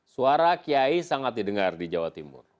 suara kiai sangat didengar di jawa timur